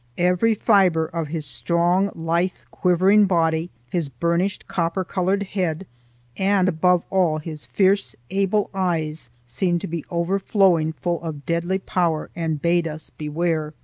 Every fibre of his strong, lithe, quivering body, his burnished copper colored head, and above all his fierce, able eyes, seemed to be overflowing full of deadly power, and bade us beware.